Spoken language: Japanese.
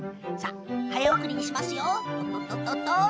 早送りにしますね。